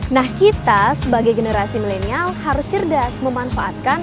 nah kita sebagai generasi milenial harus cerdas memanfaatkan